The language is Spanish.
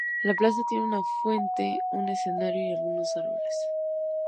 La plaza tiene una fuente, un escenario y algunos árboles.